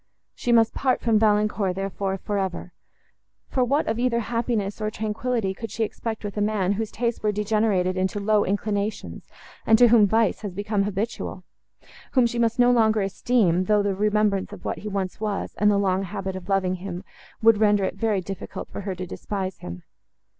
She must part from Valancourt, therefore, for ever—for what of either happiness or tranquillity could she expect with a man, whose tastes were degenerated into low inclinations, and to whom vice was become habitual? whom she must no longer esteem, though the remembrance of what he once was, and the long habit of loving him, would render it very difficult for her to despise him.